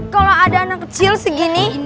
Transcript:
kalau ada anak kecil segini